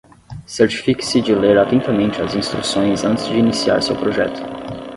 Certifique-se de ler atentamente as instruções antes de iniciar seu projeto.